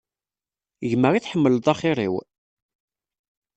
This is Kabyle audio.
Gma i tḥemmleḍ axir-iw?